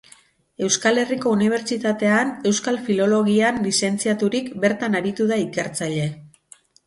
Euskal Herriko Unibertsitatean Euskal Filologian lizentziaturik, bertan aritu da ikertzaile.